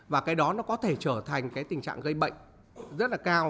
và cái đó nó có thể trở thành cái tình trạng gây bệnh rất là cao